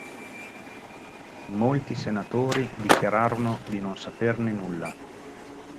Molti senatori dichiararono di non saperne nulla.